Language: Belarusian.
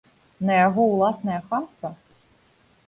На яго ўласнае хамства?